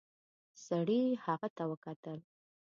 سړي هغې ته وکتل.